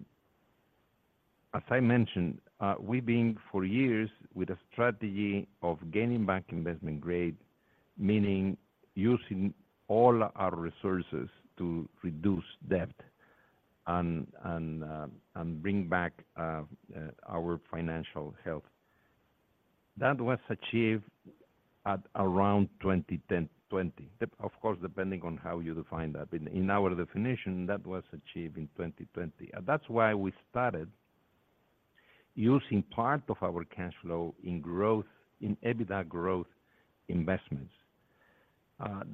I mentioned, we've been for years with a strategy of gaining back investment grade, meaning using all our resources to reduce debt and bring back our financial health. That was achieved at around 2010, 2020. Of course, depending on how you define that. In our definition, that was achieved in 2020. That's why we started using part of our cash flow in growth, in EBITDA growth investments.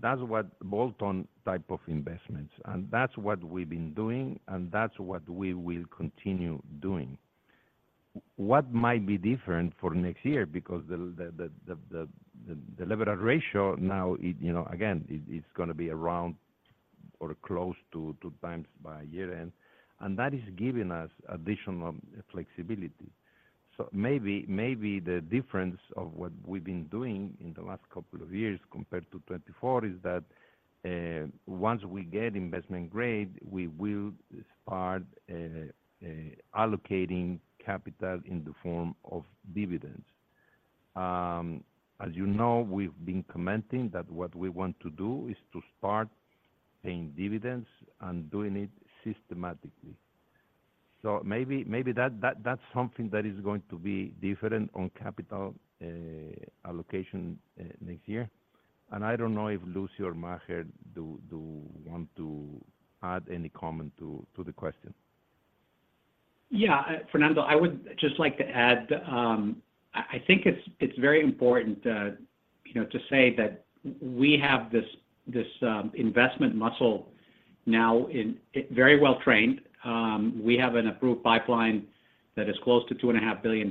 That's what bolt-on type of investments, and that's what we've been doing, and that's what we will continue doing. What might be different for next year, because the leverage ratio now is, you know, again, it, it's gonna be around or close to 2x by year-end, and that is giving us additional flexibility. So maybe, maybe the difference of what we've been doing in the last couple of years compared to 2024, is that, once we get investment grade, we will start, allocating capital in the form of dividends. As you know, we've been commenting that what we want to do is to start paying dividends and doing it systematically. So maybe, maybe that, that's something that is going to be different on capital, allocation, next year. I don't know if Lucy or Maher do want to add any comment to the question. Yeah, Fernando, I would just like to add, I think it's very important, you know, to say that we have this investment muscle now in very well trained. We have an approved pipeline that is close to $2.5 billion.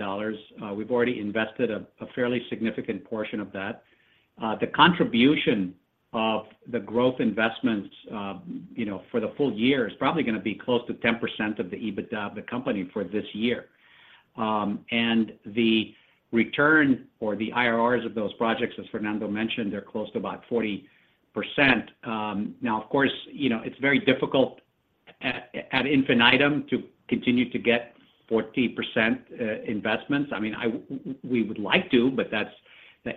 We've already invested a fairly significant portion of that. The contribution of the growth investments, you know, for the full year, is probably gonna be close to 10% of the EBITDA of the company for this year. And the return or the IRRs of those projects, as Fernando mentioned, they're close to about 40%. Now, of course, you know, it's very difficult at infinitum to continue to get 40% investments. I mean, we would like to, but that's,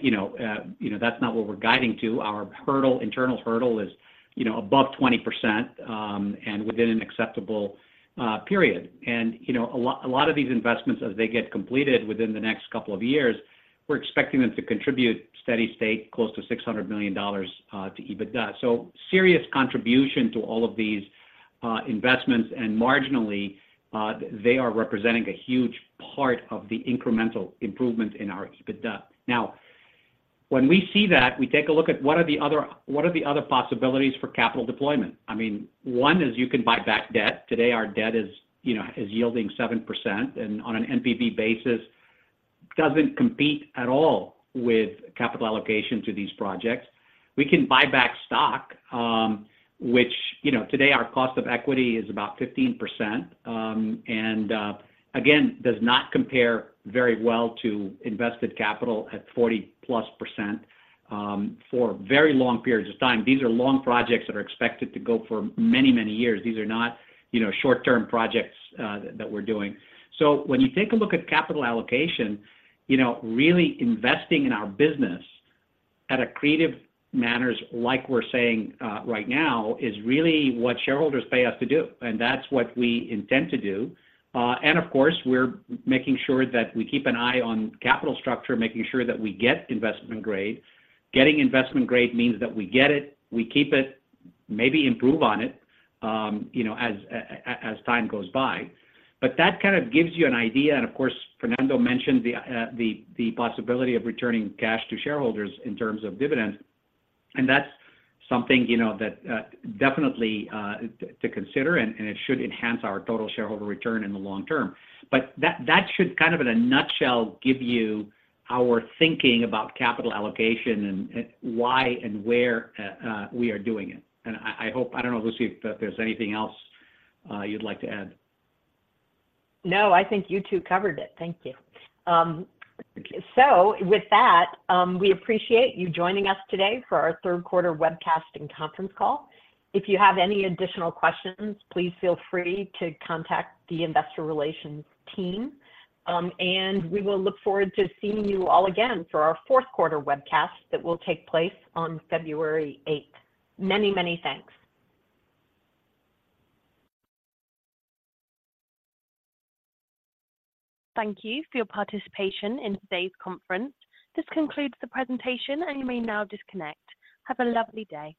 you know, that's not what we're guiding to. Our hurdle, internal hurdle is, you know, above 20%, and within an acceptable period. And, you know, a lot of these investments as they get completed within the next couple of years, we're expecting them to contribute steady state, close to $600 million, to EBITDA. So serious contribution to all of these investments, and marginally, they are representing a huge part of the incremental improvement in our EBITDA. Now, when we see that, we take a look at what are the other possibilities for capital deployment? I mean, one is you can buy back debt. Today, our debt is, you know, is yielding 7%, and on an NPV basis... doesn't compete at all with capital allocation to these projects. We can buy back stock, which, you know, today our cost of equity is about 15%, and, again, does not compare very well to invested capital at 40+%, for very long periods of time. These are long projects that are expected to go for many, many years. These are not, you know, short-term projects, that we're doing. So when you take a look at capital allocation, you know, really investing in our business at accretive manner, like we're saying, right now, is really what shareholders pay us to do, and that's what we intend to do. And of course, we're making sure that we keep an eye on capital structure, making sure that we get investment grade. Getting investment grade means that we get it, we keep it, maybe improve on it, you know, as time goes by. That kind of gives you an idea, and of course, Fernando mentioned the possibility of returning cash to shareholders in terms of dividends. That's something, you know, that definitely to consider, and it should enhance our total shareholder return in the long term. That should kind of, in a nutshell, give you our thinking about capital allocation and why and where we are doing it. I hope—I don't know, Lucy, if there's anything else you'd like to add? No, I think you two covered it. Thank you. So with that, we appreciate you joining us today for our third quarter webcast and conference call. If you have any additional questions, please feel free to contact the investor relations team, and we will look forward to seeing you all again for our fourth quarter webcast that will take place on February eighth. Many, many thanks. Thank you for your participation in today's conference. This concludes the presentation, and you may now disconnect. Have a lovely day.